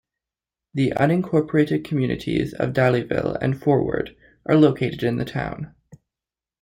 The unincorporated communities of Daleyville and Forward are located in the town.